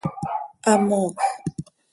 Hamoocj.